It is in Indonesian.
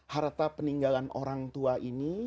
harta peninggalan orang tua ini